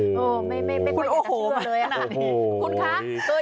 โอ้โหไม่ไม่ควรจะเชื่อเลยแล้วหน้า